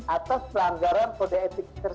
atas pelanggaran kode etik